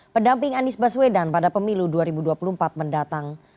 pendamping anies baswedan pada pemilu dua ribu dua puluh empat mendatang